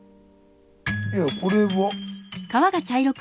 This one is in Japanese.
いやこれは？